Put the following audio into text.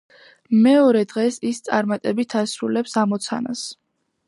მეორე დღეს ის წარმატებით ასრულებს ამოცანას.